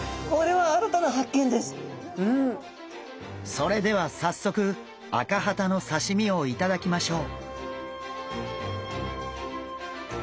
それではさっそくアカハタのさしみを頂きましょう。